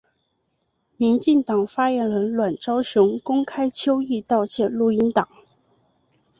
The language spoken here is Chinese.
民进党发言人阮昭雄公开邱毅道歉录音档。